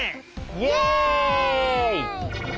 イエイ！